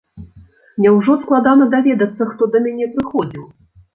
Няўжо складана даведацца, хто да мяне прыходзіў?!